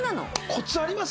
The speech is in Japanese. コツあります？